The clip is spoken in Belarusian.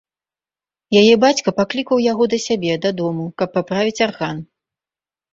Яе бацька паклікаў яго да сябе дадому, каб паправіць арган.